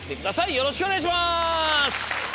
よろしくお願いします！